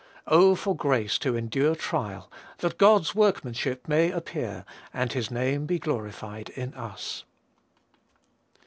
Oh, for grace to endure trial, that God's workmanship may appear, and his name be glorified in us!